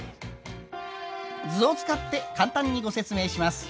図を使って簡単にご説明します。